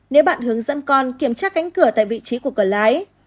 nếu bạn hướng dẫn con kiểm tra cánh cửa tại vị trí của cửa lái